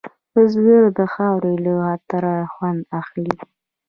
بزګر د خاورې له عطره خوند اخلي